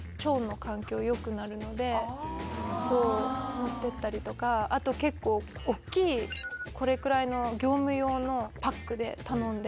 持っていったりとかあと結構大きいこれくらいの業務用のパックで頼んで。